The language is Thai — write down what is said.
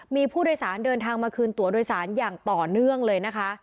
มีผู้โดยสารเดินทางมาคืนตัวโดยสารอย่างต่อเนื่องเลยนะคะ